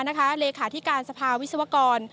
หรือว่าเรคาที่การสภาวิทยาวกร